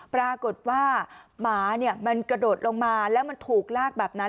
ปรากฏว่าหมามันกระโดดลงมาแล้วมันถูกลากแบบนั้น